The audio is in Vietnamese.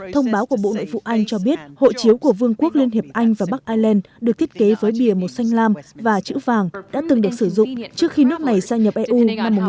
thông báo của bộ nội vụ anh cho biết hộ chiếu của vương quốc liên hiệp anh và bắc ireland được thiết kế với bìa màu xanh lam và chữ vàng đã từng được sử dụng trước khi nước này gia nhập eu năm một nghìn chín trăm bảy mươi hai